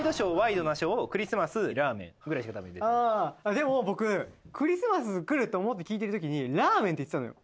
でも僕クリスマスくるって思って聞いてるときにラーメンって言ってたのよ。